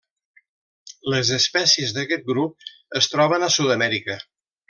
Les espècies d'aquest grup es troben a Sud-amèrica.